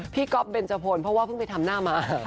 ก๊อฟเบนจพลเพราะว่าเพิ่งไปทำหน้ามา